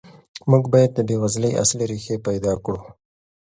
موږ باید د بېوزلۍ اصلي ریښې پیدا کړو.